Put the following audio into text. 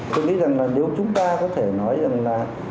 tôi nghĩ rằng là nếu chúng ta có thể nói rằng là